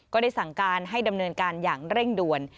ก็ได้สั่งการให้ดำเนินการอย่างเร่งด่วน